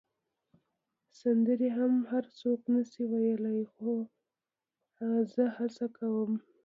سندرې هم هر څوک نه شي ویلای، خو زه هڅه کوم.